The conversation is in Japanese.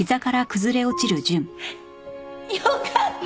よかった。